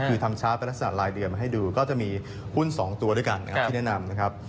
คือทำช้าเป็นลักษณะลายเดือนมาให้ดูก็จะมีหุ้น๒ตัวด้วยกันนะครับที่แนะนำนะครับ